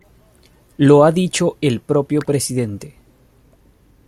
Lo ha dicho el propio presidente.